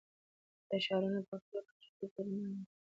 دا ښارونه په خپله کچه توپیرونه لري.